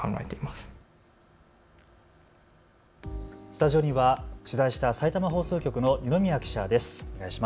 スタジオには取材したさいたま放送局の二宮記者です。